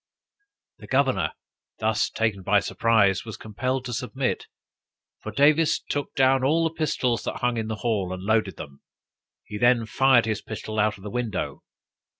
The governor, thus taken by surprise, was compelled to submit; for Davis took down all the pistols that hung in the hall, and loaded them. He then fired his pistol out of the window.